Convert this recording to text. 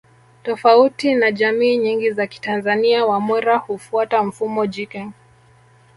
Tofauti na jamii nyingi za kitanzania Wamwera hufuata mfumo jike